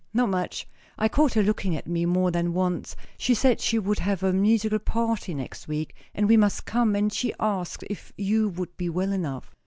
Not much. I caught her looking at me more than once. She said she would have a musical party next week, and we must come; and she asked if you would be well enough."